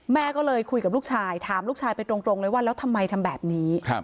แม่ก็เลยคุยกับลูกชายถามลูกชายไปตรงเลยว่าแล้วทำไมทำแบบนี้